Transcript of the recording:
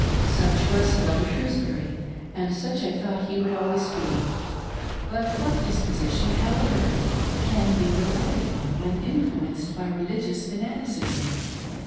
Such was Elder Shrewsbury, and such I thought he would always be ; but what disposition, however good, can be relied upon when influenced by religious fanaticism